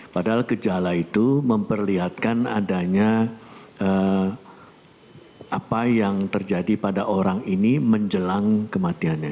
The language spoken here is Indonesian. padahal gejala itu memperlihatkan adanya apa yang terjadi pada orang ini menjelang kematiannya